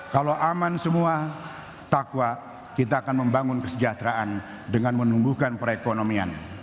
kalau aman semua takwa kita akan membangun kesejahteraan dengan menumbuhkan perekonomian